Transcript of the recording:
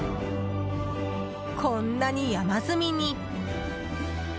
こんなに山積みに。